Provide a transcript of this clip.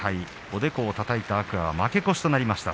おでこをたたいた天空海は負け越しとなりました。